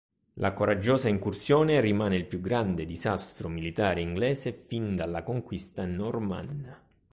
La coraggiosa incursione rimane il più grande disastro militare inglese fin dalla Conquista normanna.